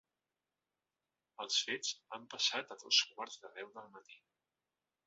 Els fets han passat a dos quarts de deu del matí.